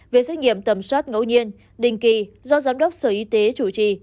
về xét nghiệm tầm soát ngẫu nhiên đình kỳ do giám đốc sở y tế chủ trì